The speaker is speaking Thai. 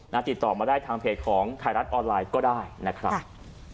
ติดต่อมาได้ทางเพจของไทยรัฐออนไลน์ก็ได้นะครับ